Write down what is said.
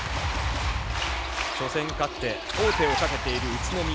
初戦勝って王手をかけている宇都宮。